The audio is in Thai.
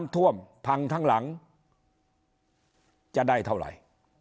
ท่วมพังทั้งหลังจะได้เท่าไหร่